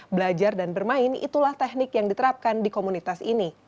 belajar dan bermain itulah teknik yang diterapkan di komunitas ini